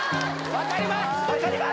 分かります！